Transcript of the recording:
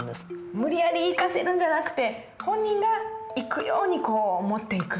無理やり行かせるんじゃなくて本人が行くようにこう持っていくと。